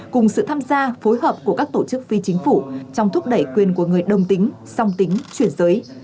cùng sự tham gia phối hợp của các tổ chức phi chính phủ trong thúc đẩy quyền của người đồng tính song tính chuyển giới